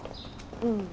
うん。